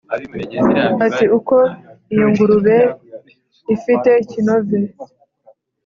Ati: “Uko iyo ngurube ifite ikinove